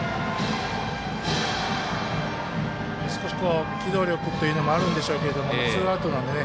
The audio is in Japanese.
少し機動力というのもあるんでしょうけどツーアウトなんでね。